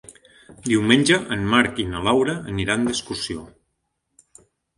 Diumenge en Marc i na Laura aniran d'excursió.